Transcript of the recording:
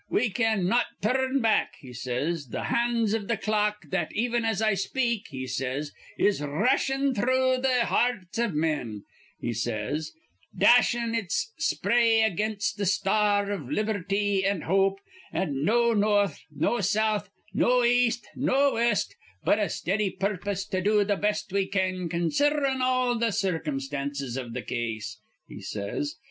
'We can not tur rn back,' he says, 'th hands iv th' clock that, even as I speak, he says, 'is r rushin' through th' hear rts iv men,' he says, 'dashin' its spray against th' star iv liberty an' hope, an' no north, no south, no east, no west, but a steady purpose to do th' best we can, considerin' all th' circumstances iv the case.' he says.